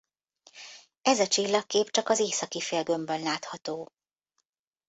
Ez a csillagkép csak az északi félgömbön látható.